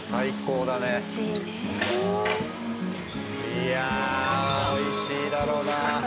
いやあ美味しいだろうな。